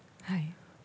はい。